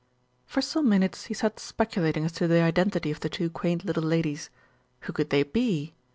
For some minutes he sat speculating as to the identity of the two quaint little ladies. Who could they be?